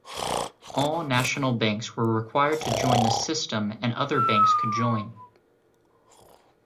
All national banks were required to join the system and other banks could join.